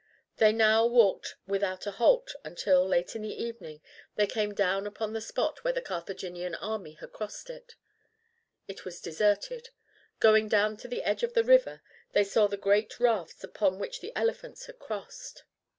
They now walked without a halt until, late in the evening, they came down upon the spot where the Carthaginian army had crossed. It was deserted. Going down to the edge of the river they saw the great rafts upon which the elephants had crossed.